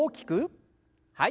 はい。